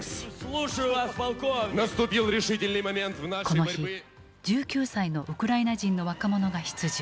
この日１９歳のウクライナ人の若者が出場。